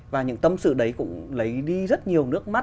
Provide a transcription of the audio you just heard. và những tâm sự đấy cũng lấy đi rất nhiều nước mắt